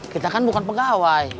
kita kan bukan pegawai